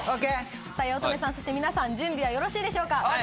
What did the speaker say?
八乙女さんそして皆さん準備はよろしいでしょうか？